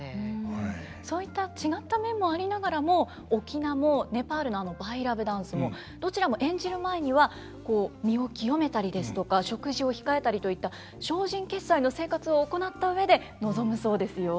そういった違った面もありながらも翁もネパールのバイラヴダンスもどちらも演じる前にはこう身を清めたりですとか食事を控えたりといった精進潔斎の生活を行った上で臨むそうですよ。